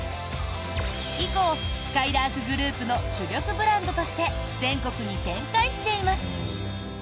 以降、すかいらーくグループの主力ブランドとして全国に展開しています。